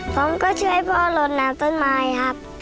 ผมก็ช่วยพ่อลดน้ำต้นไม้ครับ